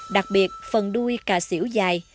đặc biệt phần đuôi cà xỉu dài